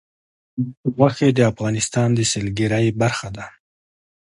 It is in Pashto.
غوښې د افغانستان د سیلګرۍ برخه ده.